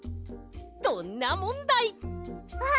どんなもんだい！